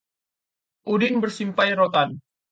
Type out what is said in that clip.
Udin bersimpai rotan